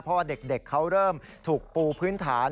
เพราะว่าเด็กเขาเริ่มถูกปูพื้นฐาน